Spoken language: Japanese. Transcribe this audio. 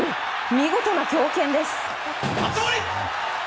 見事な強肩です。